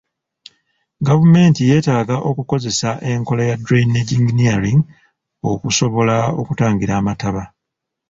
Gavumenti yeetaaga okukozesa enkola ya drainage engineering okusobola okutangira amataba.